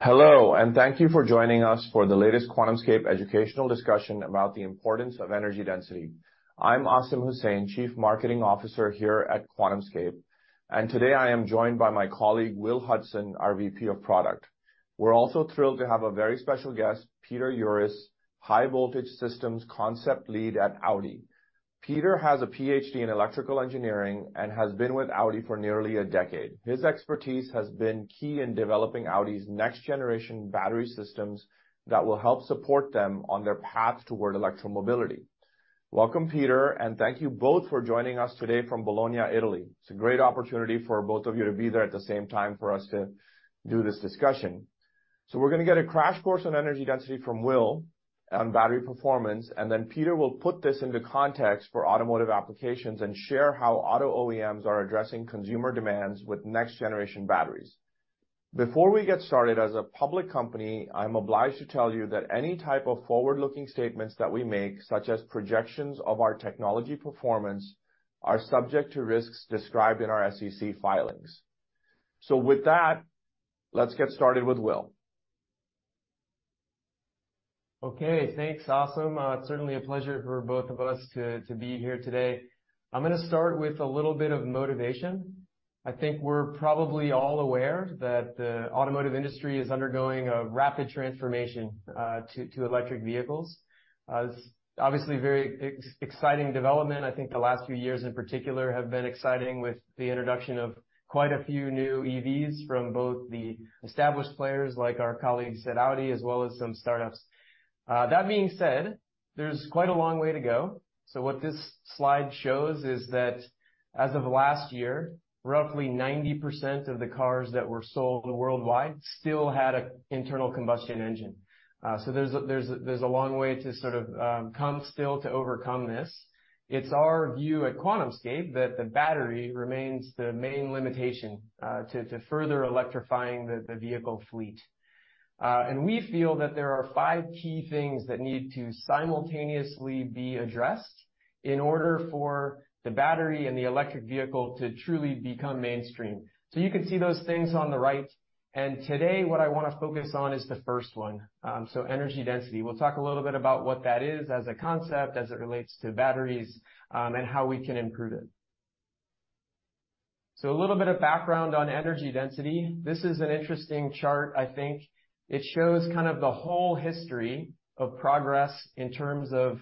Hello, thank you for joining us for the latest QuantumScape educational discussion about the importance of energy density. I'm Asim Hussain, Chief Marketing Officer here at QuantumScape, and today I am joined by my colleague, Will Hudson, our VP of Product. We're also thrilled to have a very special guest, Peter Joris, High Voltage Systems Concept Lead at Audi. Peter has a PhD in electrical engineering and has been with Audi for nearly a decade. His expertise has been key in developing Audi's next generation battery systems that will help support them on their path toward electromobility. Welcome, Peter, and thank you both for joining us today from Bologna, Italy. It's a great opportunity for both of you to be there at the same time for us to do this discussion. We're going to get a crash course on energy density from Will on battery performance, and then Peter will put this into context for automotive applications and share how auto OEMs are addressing consumer demands with next generation batteries. Before we get started, as a public company, I'm obliged to tell you that any type of forward-looking statements that we make, such as projections of our technology performance, are subject to risks described in our SEC filings. With that, let's get started with Will. Okay, thanks, Asim. It's certainly a pleasure for both of us to be here today. I'm going to start with a little bit of motivation. I think we're probably all aware that the automotive industry is undergoing a rapid transformation to electric vehicles. It's obviously a very exciting development. I think the last few years, in particular, have been exciting with the introduction of quite a few new EVs from both the established players, like our colleagues at Audi, as well as some startups. That being said, there's quite a long way to go. What this slide shows is that as of last year, roughly 90% of the cars that were sold worldwide still had a internal combustion engine. There's a long way to sort of come still to overcome this. It's our view at QuantumScape that the battery remains the main limitation to further electrifying the vehicle fleet. We feel that there are five key things that need to simultaneously be addressed in order for the battery and the electric vehicle to truly become mainstream. You can see those things on the right, and today, what I want to focus on is the first one, so energy density. We'll talk a little bit about what that is as a concept, as it relates to batteries, and how we can improve it. A little bit of background on energy density. This is an interesting chart, I think. It shows kind of the whole history of progress in terms of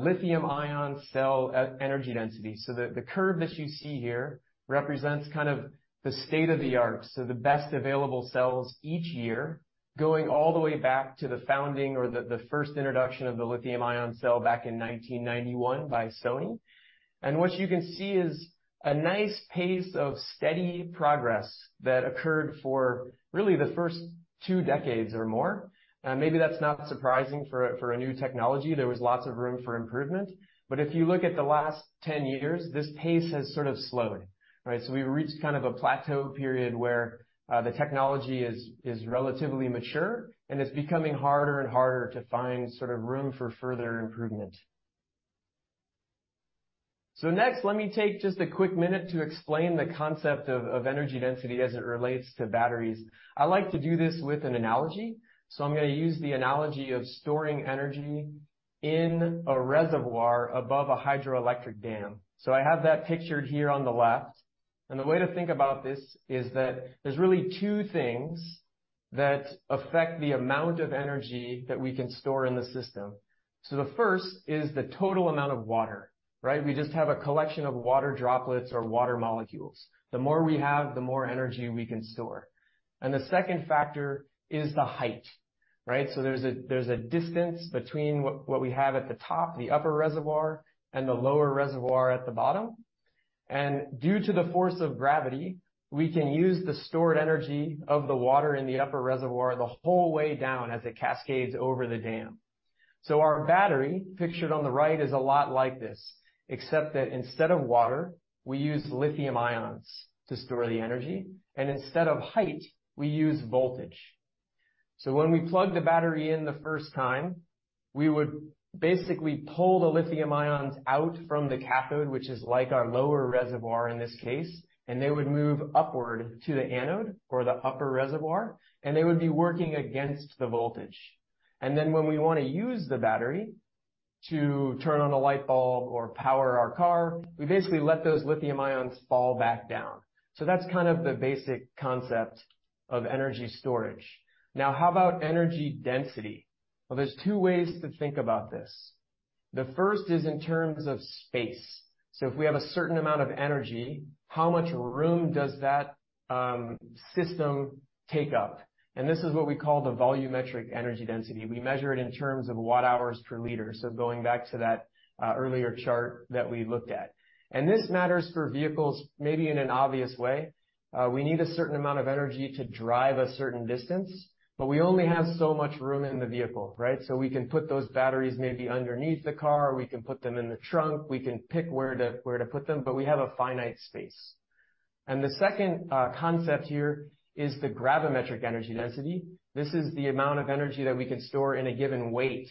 lithium-ion cell energy density. The curve that you see here represents kind of the state-of-the-art, so the best available cells each year, going all the way back to the founding or the first introduction of the lithium-ion cell back in 1991 by Sony. What you can see is a nice pace of steady progress that occurred for really the first two decades or more. Maybe that's not surprising for a new technology. There was lots of room for improvement. If you look at the last 10 years, this pace has sort of slowed. Right? We've reached kind of a plateau period where the technology is relatively mature, and it's becoming harder and harder to find sort of room for further improvement. Next, let me take just a quick minute to explain the concept of energy density as it relates to batteries. I like to do this with an analogy, so I'm going to use the analogy of storing energy in a reservoir above a hydroelectric dam. I have that pictured here on the left, and the way to think about this is that there's really two things that affect the amount of energy that we can store in the system. The first is the total amount of water, right? We just have a collection of water droplets or water molecules. The more we have, the more energy we can store. The second factor is the height, right? There's a distance between what we have at the top, the upper reservoir, and the lower reservoir at the bottom. Due to the force of gravity, we can use the stored energy of the water in the upper reservoir the whole way down as it cascades over the dam. Our battery, pictured on the right, is a lot like this, except that instead of water, we use lithium ions to store the energy, and instead of height, we use voltage. When we plug the battery in the first time, we would basically pull the lithium ions out from the cathode, which is like our lower reservoir in this case, and they would move upward to the anode or the upper reservoir, and they would be working against the voltage. Then when we want to use the battery to turn on a light bulb or power our car, we basically let those lithium ions fall back down. That's kind of the basic concept of energy storage. How about energy density? Well, there's two ways to think about this. The first is in terms of space. If we have a certain amount of energy, how much room does that system take up? This is what we call the volumetric energy density. We measure it in terms of watt-hours per liter, so going back to that earlier chart that we looked at. This matters for vehicles, maybe in an obvious way. We need a certain amount of energy to drive a certain distance, but we only have so much room in the vehicle, right? We can put those batteries maybe underneath the car, we can put them in the trunk, we can pick where to put them, but we have a finite space. The second concept here is the gravimetric energy density. This is the amount of energy that we can store in a given weight.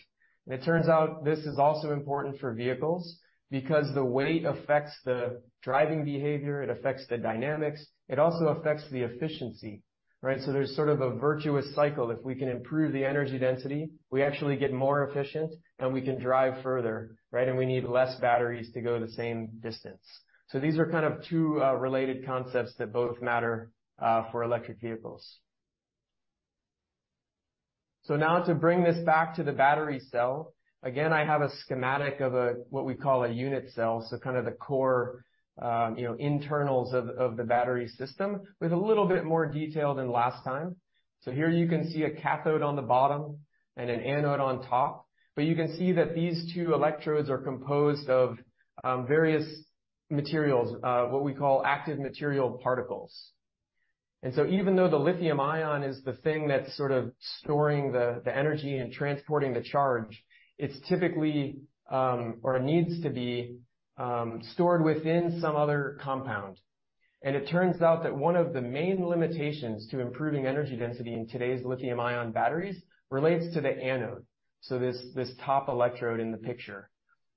It turns out this is also important for vehicles because the weight affects the driving behavior, it affects the dynamics, it also affects the efficiency, right? There's sort of a virtuous cycle. If we can improve the energy density, we actually get more efficient, and we can drive further, right? We need less batteries to go the same distance. These are kind of two related concepts that both matter for electric vehicles. Now to bring this back to the battery cell, again, I have a schematic of a, what we call a unit cell, so kind of the core, you know, internals of the battery system with a little bit more detail than last time. Here you can see a cathode on the bottom and an anode on top. You can see that these two electrodes are composed of various materials, what we call active material particles. Even though the lithium-ion is the thing that's sort of storing the energy and transporting the charge, it's typically or needs to be stored within some other compound. It turns out that one of the main limitations to improving energy density in today's lithium-ion batteries relates to the anode, so this top electrode in the picture.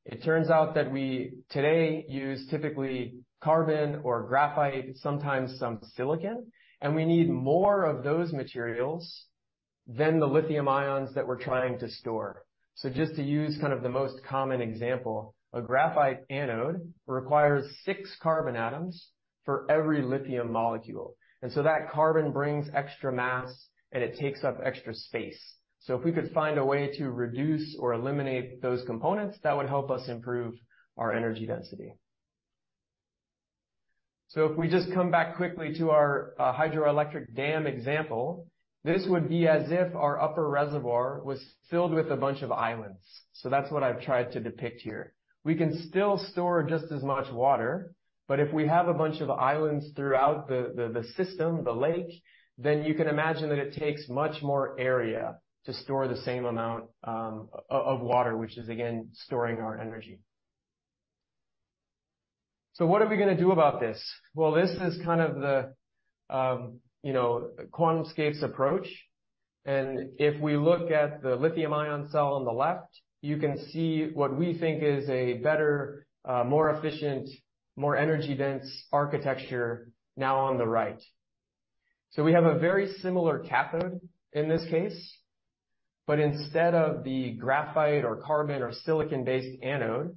It turns out that we today use typically carbon or graphite, sometimes some silicon, and we need more of those materials than the lithium ions that we're trying to store. Just to use kind of the most common example, a graphite anode requires 6 carbon atoms for every lithium molecule, and that carbon brings extra mass, and it takes up extra space. If we could find a way to reduce or eliminate those components, that would help us improve our energy density. If we just come back quickly to our hydroelectric dam example, this would be as if our upper reservoir was filled with a bunch of islands. That's what I've tried to depict here. We can still store just as much water, but if we have a bunch of islands throughout the system, the lake, then you can imagine that it takes much more area to store the same amount of water, which is, again, storing our energy. What are we gonna do about this? This is kind of the, you know, QuantumScape's approach. If we look at the lithium-ion cell on the left, you can see what we think is a better, more efficient, more energy-dense architecture now on the right. We have a very similar cathode in this case, but instead of the graphite or carbon or silicon-based anode,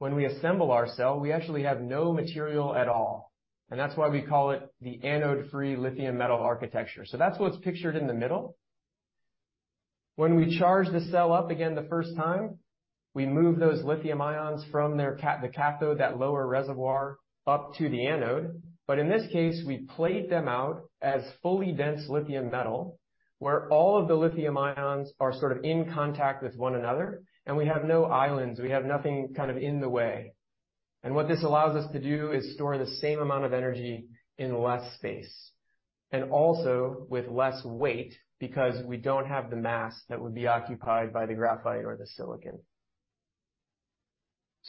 when we assemble our cell, we actually have no material at all, and that's why we call it the anode-free lithium metal architecture. That's what's pictured in the middle. When we charge the cell up again the first time, we move those lithium ions from the cathode, that lower reservoir, up to the anode, but in this case, we plate them out as fully dense lithium metal, where all of the lithium ions are sort of in contact with one another. We have no islands, we have nothing kind of in the way. What this allows us to do is store the same amount of energy in less space, and also with less weight because we don't have the mass that would be occupied by the graphite or the silicon.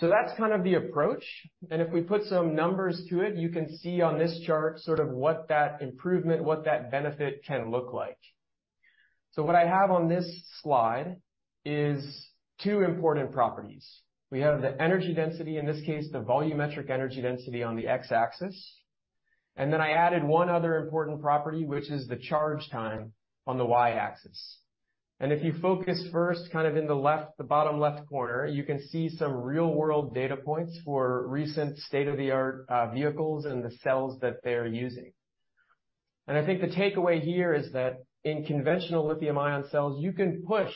That's kind of the approach. If we put some numbers to it, you can see on this chart sort of what that improvement, what that benefit can look like. What I have on this slide is two important properties. We have the energy density, in this case, the volumetric energy density on the x-axis, and then I added one other important property, which is the charge time on the y-axis. If you focus first, kind of in the left, the bottom left corner, you can see some real-world data points for recent state-of-the-art vehicles and the cells that they're using. I think the takeaway here is that in conventional lithium-ion cells, you can push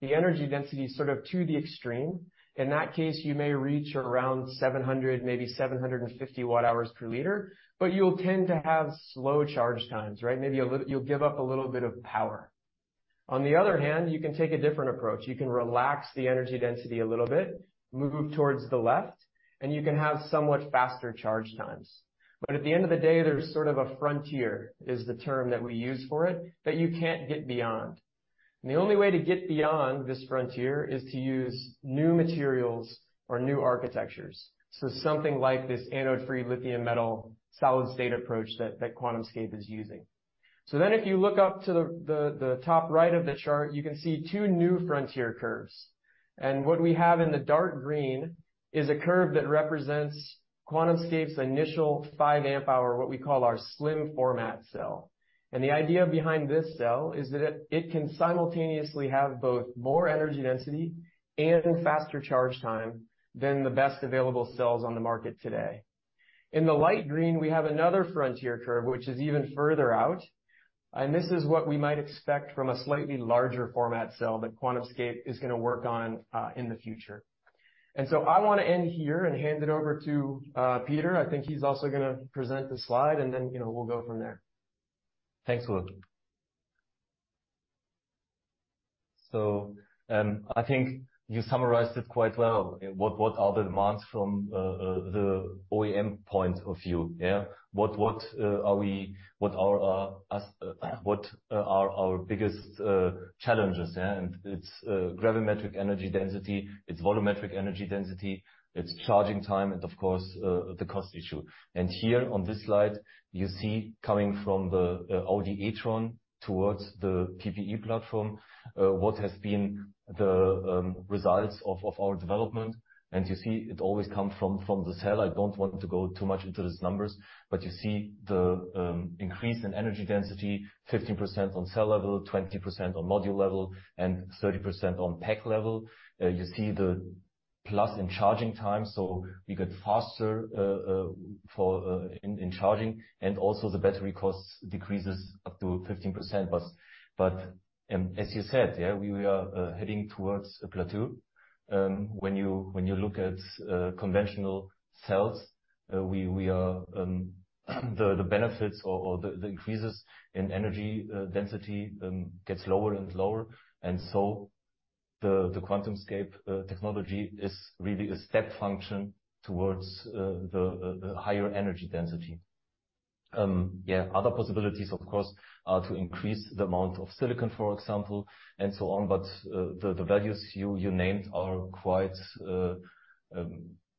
the energy density sort of to the extreme. In that case, you may reach around 700, maybe 750 watt-hours per liter, but you'll tend to have slow charge times, right? Maybe you'll give up a little bit of power. On the other hand, you can take a different approach. You can relax the energy density a little bit, move towards the left, and you can have somewhat faster charge times. At the end of the day, there's sort of a frontier, is the term that we use for it, that you can't get beyond. The only way to get beyond this frontier is to use new materials or new architectures. Something like this anode-free lithium metal solid-state approach that QuantumScape is using. If you look up to the top right of the chart, you can see two new frontier curves. What we have in the dark green is a curve that represents QuantumScape's initial 5 amp-hour, what we call our slim format cell. The idea behind this cell is that it can simultaneously have both more energy density and faster charge time than the best available cells on the market today. In the light green, we have another frontier curve, which is even further out, and this is what we might expect from a slightly larger format cell that QuantumScape is gonna work on in the future. I want to end here and hand it over to Peter. I think he's also gonna present this slide, and then, you know, we'll go from there. Thanks, Luke. I think you summarized it quite well. What, what are the demands from the OEM point of view, yeah? What, what are our biggest challenges, yeah? It's gravimetric energy density, it's volumetric energy density, it's charging time, and of course, the cost issue. Here on this slide, you see coming from the Audi e-tron towards the PPE platform, what has been the results of our development. You see it always come from the cell. I don't want to go too much into these numbers, but you see the increase in energy density, 15% on cell level, 20% on module level, and 30% on pack level. You see the plus in charging time, so we get faster for charging, and also the battery costs decreases up to 15%. As you said, yeah, we are heading towards a plateau. When you look at conventional cells, we are the benefits or the increases in energy density gets lower and lower. The QuantumScape technology is really a step function towards the higher energy density. Yeah, other possibilities, of course, are to increase the amount of silicon, for example, and so on. The values you named are quite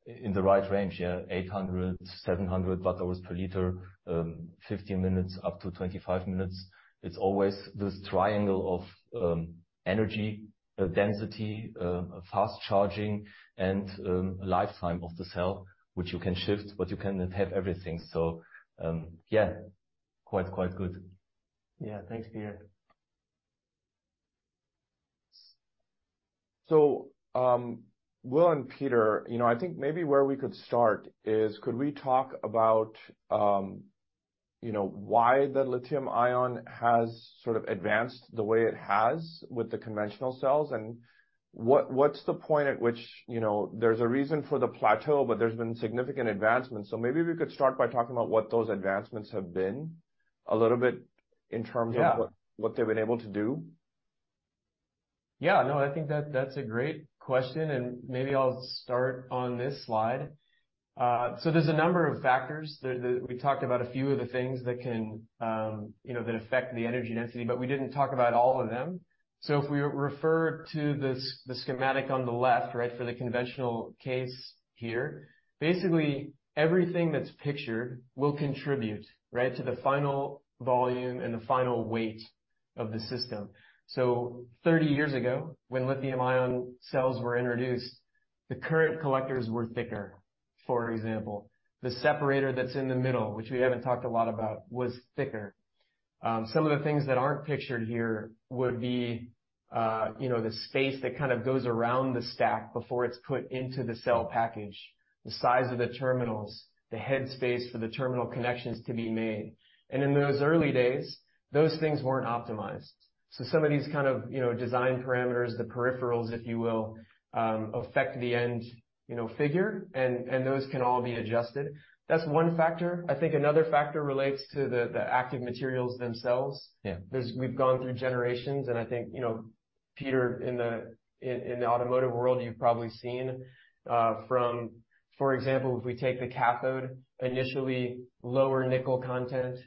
in the right range, yeah, 800, 700 watt-hours per liter, 15 minutes, up to 25 minutes. It's always this triangle of energy density, fast charging, and lifetime of the cell, which you can shift, but you cannot have everything. Yeah, quite good. Yeah. Thanks, Peter. Will and Peter, you know, I think maybe where we could start is, could we talk about, you know, why the lithium-ion has sort of advanced the way it has with the conventional cells, and what's the point at which, you know, there's a reason for the plateau, but there's been significant advancements? Maybe we could start by talking about what those advancements have been, a little bit in terms of. Yeah. what they've been able to do. Yeah, no, I think that's a great question, and maybe I'll start on this slide. There's a number of factors. We talked about a few of the things that can, you know, that affect the energy density, but we didn't talk about all of them. If we refer to the schematic on the left, right, for the conventional case here, basically everything that's pictured will contribute, right, to the final volume and the final weight of the system. 30 years ago, when lithium-ion cells were introduced, the current collectors were thicker, for example. The separator that's in the middle, which we haven't talked a lot about, was thicker. Some of the things that aren't pictured here would be, you know, the space that kind of goes around the stack before it's put into the cell package, the size of the terminals, the head space for the terminal connections to be made. In those early days, those things weren't optimized. Some of these kind of, you know, design parameters, the peripherals, if you will, affect the end, you know, figure, and those can all be adjusted. That's one factor. I think another factor relates to the active materials themselves. Yeah. We've gone through generations, and I think, you know, Peter, in the, in the automotive world, you've probably seen, from, for example, if we take the cathode, initially, lower nickel content,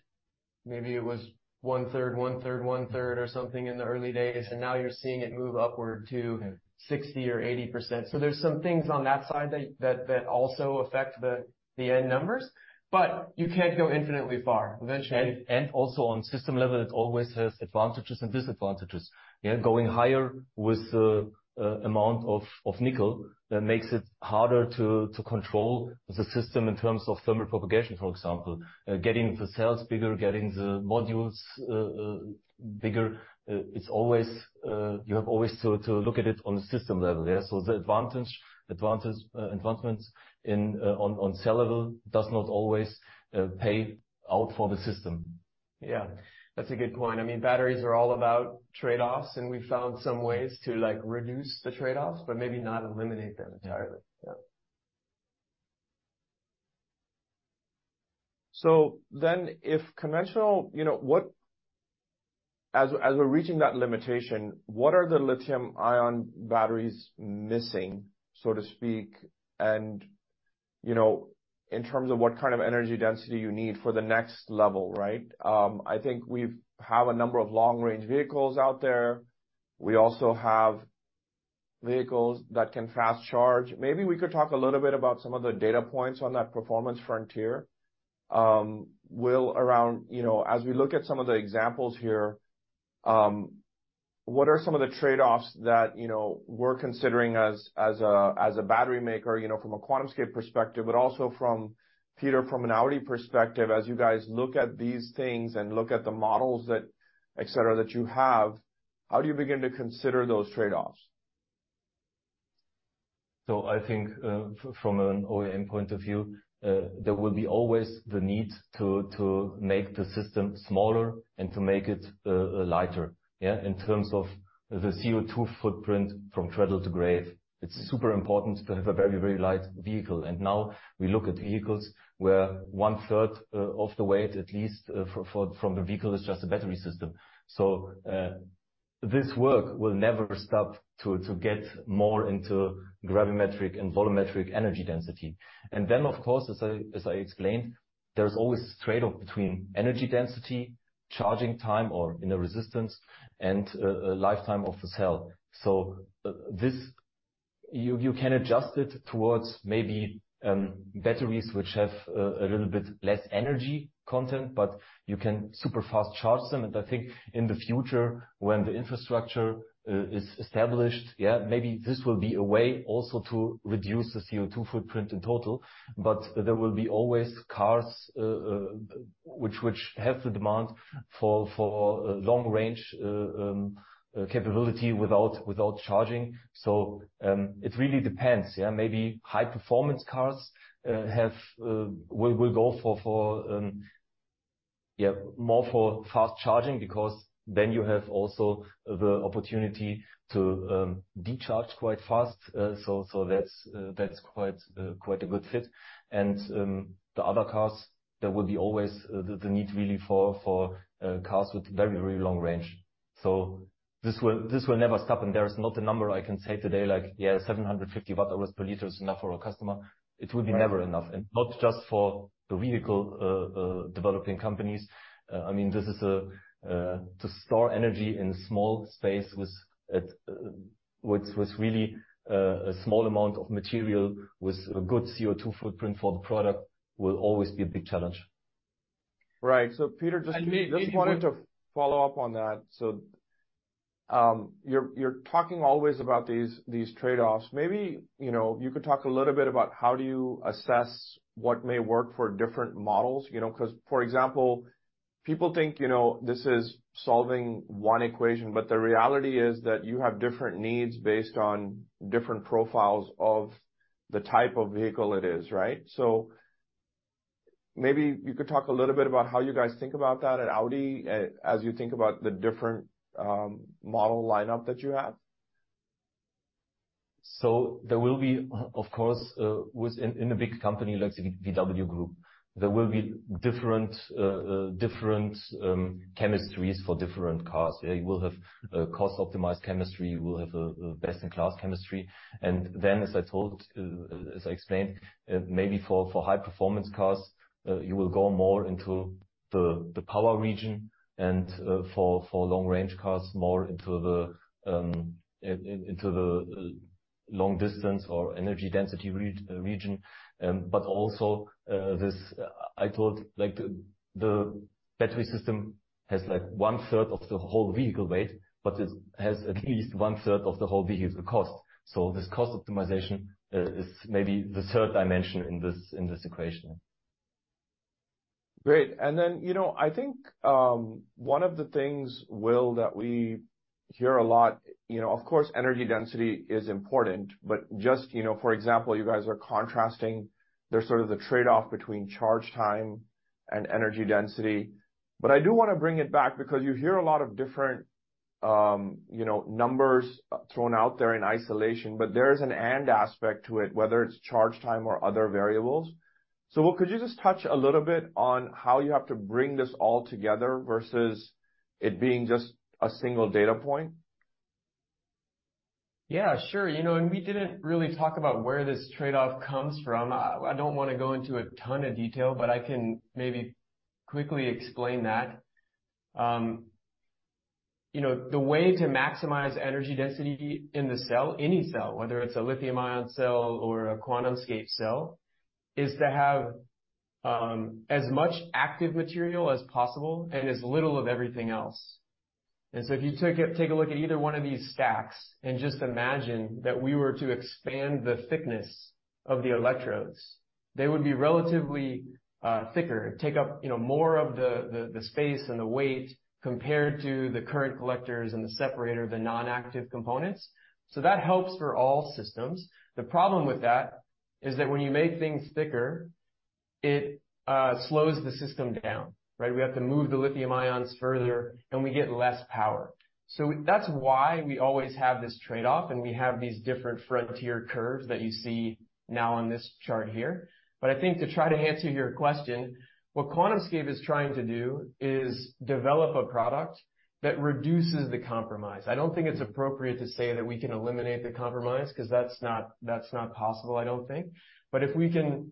maybe it was one third, one third, one third or something in the early days, and now you're seeing it move upward. Yeah ... 60% or 80%. There's some things on that side that also affect the end numbers, but you can't go infinitely far. Also on system level, it always has advantages and disadvantages. Yeah, going higher with the amount of nickel, that makes it harder to control the system in terms of thermal propagation, for example. Getting the cells bigger, getting the modules bigger, it's always you have always to look at it on a system level, yeah? The advantage advancements in on cell level does not always pay out for the system. Yeah, that's a good point. I mean, batteries are all about trade-offs, and we've found some ways to, like, reduce the trade-offs, but maybe not eliminate them entirely. Yeah. Yeah. As we're reaching that limitation, what are the lithium-ion batteries missing, so to speak? You know, in terms of what kind of energy density you need for the next level, right? I think we've have a number of long-range vehicles out there. We also have vehicles that can fast charge. Maybe we could talk a little bit about some of the data points on that performance frontier. Will, around, you know, as we look at some of the examples here, what are some of the trade-offs that, you know, we're considering as a, as a battery maker, you know, from a QuantumScape perspective, but also from Peter, from an Audi perspective, as you guys look at these things and look at the models that, et cetera, that you have, how do you begin to consider those trade-offs? I think from an OEM point of view, there will be always the need to make the system smaller and to make it lighter, yeah? In terms of the CO2 footprint from cradle to grave, it's super important to have a very, very light vehicle. Now we look at vehicles where one third of the weight, at least, from the vehicle is just a battery system. This work will never stop to get more into gravimetric and volumetric energy density. Of course, as I explained, there's always trade-off between energy density, charging time, or, you know, resistance and lifetime of the cell. You can adjust it towards maybe batteries which have a little bit less energy content, but you can super fast charge them. I think in the future, when the infrastructure is established, maybe this will be a way also to reduce the CO₂ footprint in total. There will be always cars which have the demand for long range capability without charging. It really depends. Maybe high performance cars will go for more for fast charging, because then you have also the opportunity to decharge quite fast. That's quite a good fit. The other cars, there will be always the need really for cars with very, very long range. This will never stop, there is not a number I can say today, like, "Yeah, 750 watt-hours per liter is enough for our customer." It will be never enough, not just for the vehicle developing companies. I mean, this is to store energy in small space with really a small amount of material, with a good CO₂ footprint for the product, will always be a big challenge. Right. Peter. And maybe- Just wanted to follow up on that. You're talking always about these trade-offs. Maybe, you know, you could talk a little bit about how do you assess what may work for different models, you know? 'Cause, for example, people think, you know, this is solving one equation, but the reality is that you have different needs based on different profiles of the type of vehicle it is, right? Maybe you could talk a little bit about how you guys think about that at Audi as you think about the different model line-up that you have. There will be, of course, in a big company like VW Group, there will be different chemistries for different cars. You will have a cost-optimized chemistry, you will have a best-in-class chemistry. As I told, as I explained, maybe for high performance cars, you will go more into the power region and, for long-range cars, more into the long distance or energy density region. Also, this, I told, like, the battery system has, like, one third of the whole vehicle weight, but it has at least one third of the whole vehicle cost. This cost optimization is maybe the third dimension in this, in this equation. Great. You know, I think, one of the things, Will, that we hear a lot, you know, of course, energy density is important, but just, you know, for example, you guys are contrasting there's sort of the trade-off between charge time and energy density. I do want to bring it back because you hear a lot of different, you know, numbers thrown out there in isolation, but there is an and aspect to it, whether it's charge time or other variables. Will, could you just touch a little bit on how you have to bring this all together versus it being just a single data point? Yeah, sure. You know, we didn't really talk about where this trade-off comes from. I don't want to go into a ton of detail, but I can maybe quickly explain that. You know, the way to maximize energy density in the cell, any cell, whether it's a lithium-ion cell or a QuantumScape cell, is to have as much active material as possible and as little of everything else. If you take a look at either one of these stacks and just imagine that we were to expand the thickness of the electrodes, they would be relatively thicker, take up, you know, more of the space and the weight compared to the current collectors and the separator, the non-active components. That helps for all systems. The problem with that is that when you make things thicker, it slows the system down, right? We have to move the lithium ions further, and we get less power. That's why we always have this trade-off, and we have these different frontier curves that you see now on this chart here. I think to try to answer your question, what QuantumScape is trying to do is develop a product that reduces the compromise. I don't think it's appropriate to say that we can eliminate the compromise, 'cause that's not possible, I don't think. If we can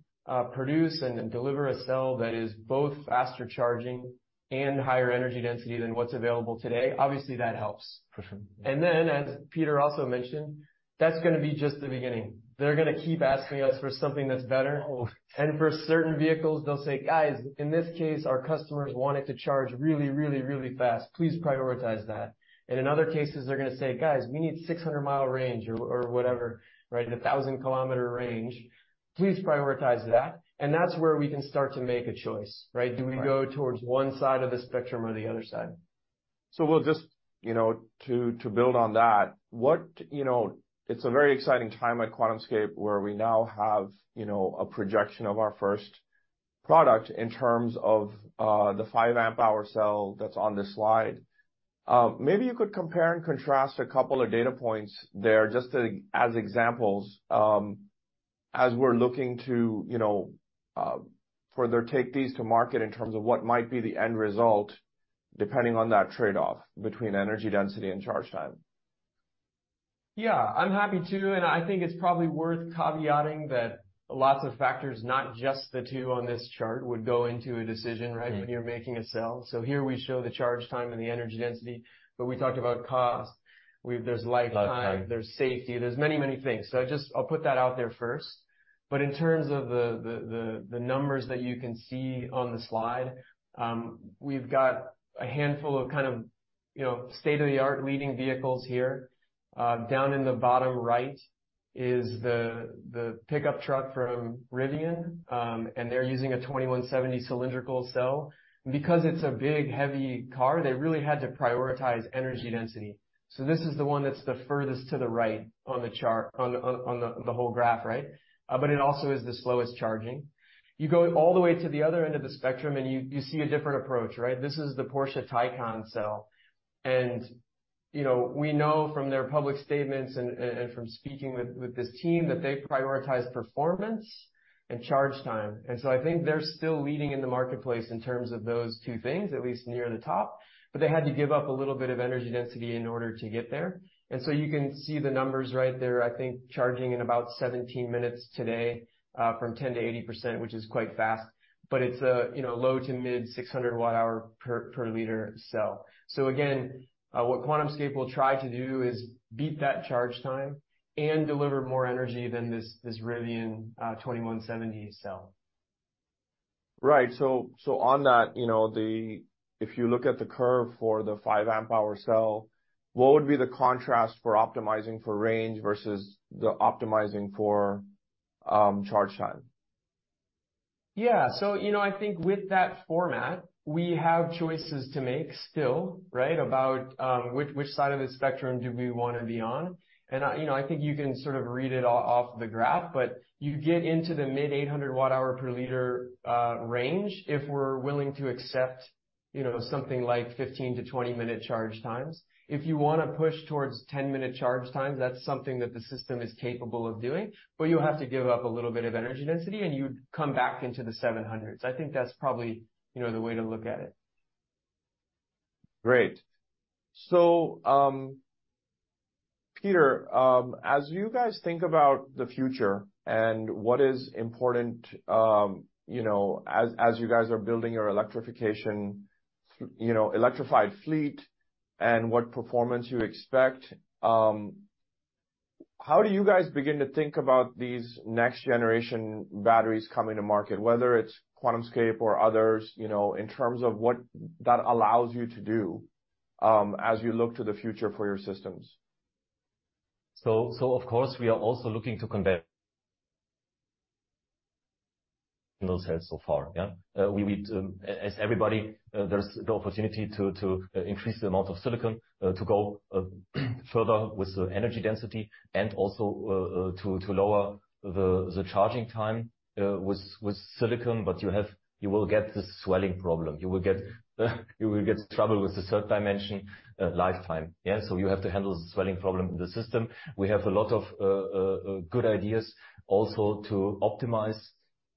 produce and deliver a cell that is both faster charging and higher energy density than what's available today, obviously, that helps. For sure. As Peter also mentioned, that's gonna be just the beginning. They're gonna keep asking us for something that's better. Oh. For certain vehicles, they'll say, "Guys, in this case, our customers want it to charge really, really, really fast. Please prioritize that." In other cases, they're gonna say, "Guys, we need 600 mile range" or whatever, right? "A 1,000-kilometer range. Please prioritize that." That's where we can start to make a choice, right? Right. Do we go towards one side of the spectrum or the other side? We'll just, you know, to build on that, It's a very exciting time at QuantumScape, where we now have, you know, a projection of our first product in terms of the 5 amp-hour cell that's on this slide. Maybe you could compare and contrast a couple of data points there, just to, as examples. As we're looking to, you know, further take these to market in terms of what might be the end result, depending on that trade-off between energy density and charge time? Yeah, I'm happy to, I think it's probably worth caveating that lots of factors, not just the two on this chart, would go into a decision, right? When you're making a cell. Here we show the charge time and the energy density, but we talked about cost, there's lifetime- Lifetime. There's safety, there's many, many things. I'll put that out there first. In terms of the, the numbers that you can see on the slide, we've got a handful of kind of, you know, state-of-the-art leading vehicles here. Down in the bottom right is the pickup truck from Rivian, and they're using a 21700 cylindrical cell. Because it's a big, heavy car, they really had to prioritize energy density. This is the one that's the furthest to the right on the chart, on the, on the whole graph, right? It also is the slowest charging. You go all the way to the other end of the spectrum, and you see a different approach, right? This is the Porsche Taycan cell. You know, we know from their public statements and from speaking with this team, that they prioritize performance and charge time. I think they're still leading in the marketplace in terms of those two things, at least near the top, but they had to give up a little bit of energy density in order to get there. You can see the numbers right there, I think, charging in about 17 minutes today, from 10% to 80%, which is quite fast, but it's a, you know, low to mid-600 watt-hours per liter cell. Again, what QuantumScape will try to do is beat that charge time and deliver more energy than this Rivian 21700 cell. Right. On that, you know, If you look at the curve for the 5 amp-hour cell, what would be the contrast for optimizing for range versus the optimizing for charge time? Yeah. You know, I think with that format, we have choices to make still, right? About which side of the spectrum do we wanna be on. I think you can sort of read it off the graph, but you get into the mid-800 watt-hours per liter range if we're willing to accept, you know, something like 15-20 minute charge times. If you wanna push towards 10-minute charge times, that's something that the system is capable of doing, but you have to give up a little bit of energy density, and you'd come back into the 700s. I think that's probably, you know, the way to look at it. Great. Peter, as you guys think about the future and what is important, you know, as you guys are building your electrification, you know, electrified fleet and what performance you expect, how do you guys begin to think about these next generation batteries coming to market, whether it's QuantumScape or others, you know, in terms of what that allows you to do, as you look to the future for your systems? Of course, we are also looking to convert. In those cells so far. We, as everybody, there's the opportunity to increase the amount of silicon to go further with the energy density and also to lower the charging time with silicon, but you will get this swelling problem. You will get trouble with the third dimension lifetime. So you have to handle the swelling problem in the system. We have a lot of good ideas also to optimize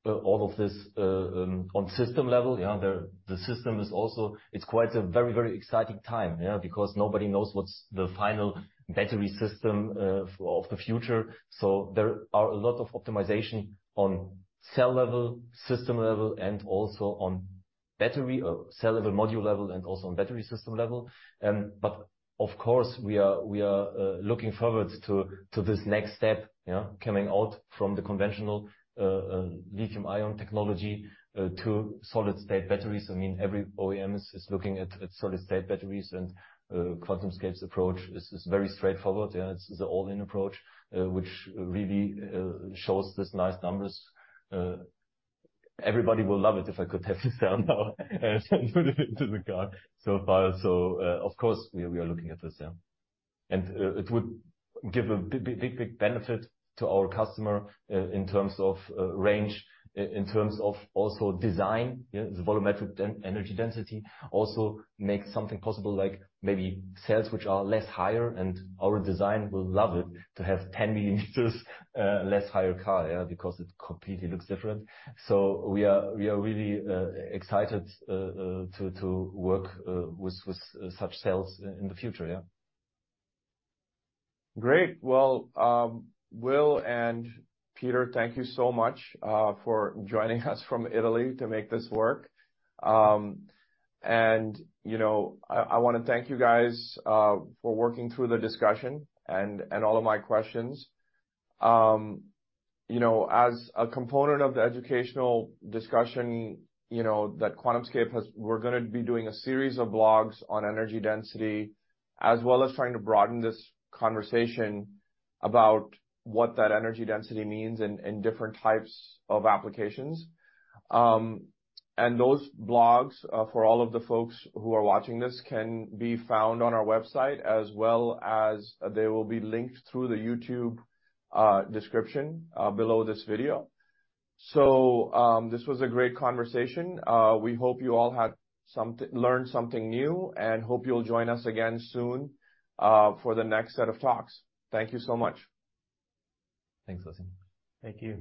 all of this on system level. The system is also, it's quite a very, very exciting time because nobody knows what's the final battery system of the future. There are a lot of optimization on cell level, system level, and also on battery, or cell level, module level, and also on battery system level. Of course, we are looking forward to this next step, yeah, coming out from the conventional lithium-ion technology to solid-state batteries. I mean, every OEMs is looking at solid-state batteries, and QuantumScape's approach is very straightforward, yeah. It's the all-in approach, which really shows these nice numbers. Everybody will love it if I could have the cell now, and put it into the car so far. Of course, we are looking at this, yeah. It would give a big benefit to our customer in terms of range, in terms of also design. The volumetric energy density also makes something possible, like maybe cells which are less higher, and our design will love it to have 10 millimeters less higher car, because it completely looks different. We are really excited to work with such cells in the future. Great! Well, Will and Peter, thank you so much for joining us from Italy to make this work. You know, I wanna thank you guys for working through the discussion and all of my questions. You know, as a component of the educational discussion, you know, that QuantumScape, we're gonna be doing a series of blogs on energy density, as well as trying to broaden this conversation about what that energy density means in different types of applications. Those blogs, for all of the folks who are watching this, can be found on our website, as well as they will be linked through the YouTube description below this video. This was a great conversation. We hope you all had learned something new, and hope you'll join us again soon for the next set of talks. Thank you so much. Thanks, Asim. Thank you.